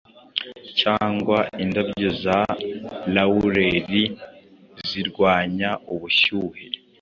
Cyangwa indabyo za lawureli zirwanya ubushyuhe